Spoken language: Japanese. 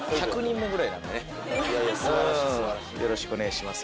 よろしくお願いします。